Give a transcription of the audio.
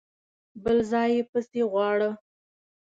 بل ځای يې پسې غواړه!